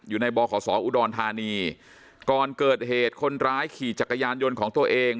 บขสออุดรธานีก่อนเกิดเหตุคนร้ายขี่จักรยานยนต์ของตัวเอง